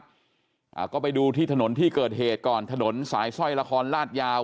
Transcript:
อ่าก็ไปดูที่ถนนที่เกิดเหตุก่อนถนนสายสร้อยละครลาดยาว